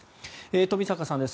冨坂さんです。